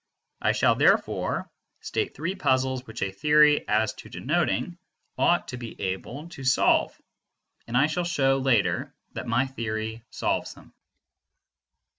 I shall therefore state three puzzles which a theory as to denoting ought to be able to solve; and I shall show later that my theory solves them.